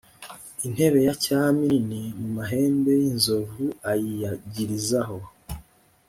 intebe ya cyami nini mu mahembe y inzovu ayiyagirizaho